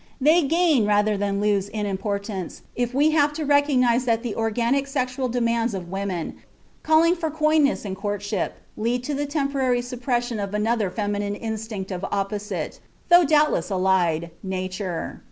They gain rather than lose in importance if we have to realize that the organic sexual demands of women, calling for coyness in courtship, lead to the temporary suppression of another feminine instinct of opposite, though doubtless allied, nature.